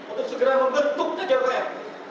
untuk segera membentuk kjpr